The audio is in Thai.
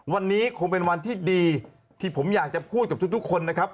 วันนี้คงเป็นวันที่ดีที่ผมอยากจะพูดกับทุกคนนะครับ